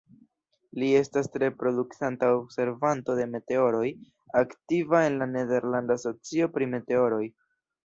Li estas tre produktanta observanto de meteoroj, aktiva en la Nederlanda Socio pri Meteoroj.